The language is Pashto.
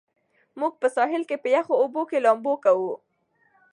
موږ په ساحل کې په یخو اوبو کې لامبو کوو.